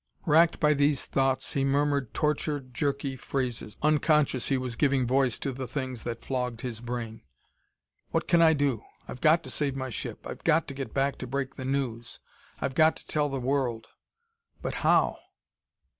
Racked by these thoughts, he murmured tortured, jerky phrases, unconscious he was giving voice to the things that flogged his brain. "What can I do? I've got to save my ship I've got to get back to break the news I've got to tell the world! But how?